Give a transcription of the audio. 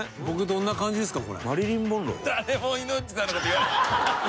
「どんな感じですか？」